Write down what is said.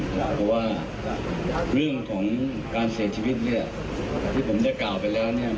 เพราะว่าเรื่องของการเสียชีวิตเนี่ยที่ผมได้กล่าวไปแล้วเนี่ย